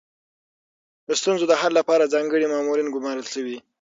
د ستونزو د حل لپاره ځانګړي مامورین ګمارل شوي.